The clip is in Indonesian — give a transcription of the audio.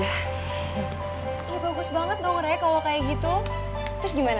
ya bagus banget nomornya kalau kayak gitu terus gimana